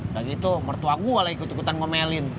gak gitu mertua gua lagi ketukutan ngomelin